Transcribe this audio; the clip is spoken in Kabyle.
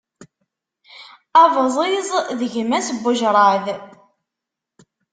Abẓiz d gma-s n wejraḍ.